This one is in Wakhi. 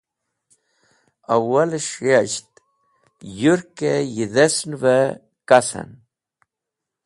Awales̃h yasht yũrk-e yidhesn’v e kasen.